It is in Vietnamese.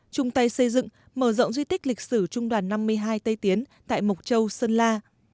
chung tay xây dựng mở rộng di tích lịch sử trung đoàn năm mươi hai tây tiến tại mộc châu sơn la